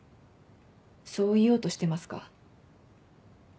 そう言おうとしてますか？